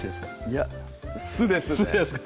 いや酢ですね